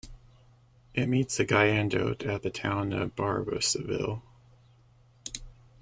It meets the Guyandotte at the town of Barboursville.